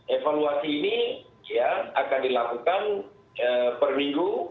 evaluasi ini akan dilakukan per minggu